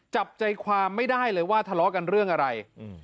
จับใจความไม่ได้เลยว่าทะเลาะกันเรื่องอะไร